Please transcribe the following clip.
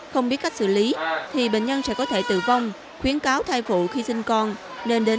không biết cách xử lý thì bệnh nhân sẽ có thể tử vong khuyến cáo thai phụ khi sinh con nên đến